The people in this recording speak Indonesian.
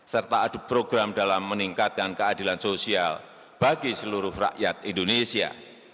serta adu program dalam meningkatkan keadilan sosial bagi seluruh rakyat indonesia